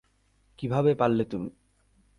কিভাবে পারলে তুমি?